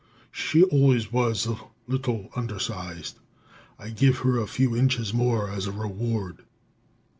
She always was a little undersized; I give her a few inches more as a reward."